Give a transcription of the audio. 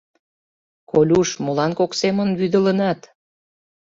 — Колюш, молан кок семын вӱдылынат?